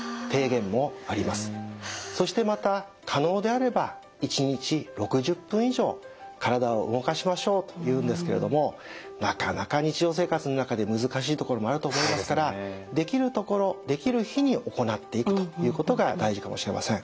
そしてまた可能であれば１日６０分以上体を動かしましょうというんですけれどもなかなか日常生活の中で難しいところもあると思いますからできるところできる日に行っていくということが大事かもしれません。